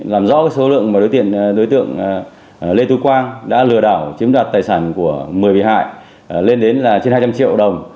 làm rõ số lượng mà đối tượng đối tượng lê tú quang đã lừa đảo chiếm đoạt tài sản của một mươi bị hại lên đến là trên hai trăm linh triệu đồng